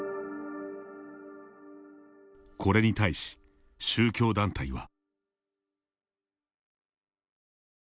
これに対し、宗教団体は。